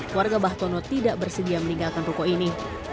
warga bahtono tidak bersedia meninggalkan ruko ini